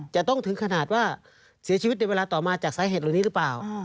จะต้องถึงขนาดว่าเสียชีวิตในเวลาต่อมาจากสาเหตุเหล่านี้หรือเปล่า